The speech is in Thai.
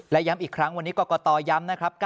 และย้ำอีกครั้งวันนี้กรกตย้ำนะครับ